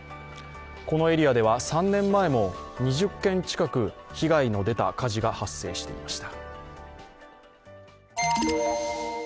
このエリアでは３年前も２０軒近く被害の出た火事がありました。